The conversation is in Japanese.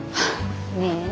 ねえ。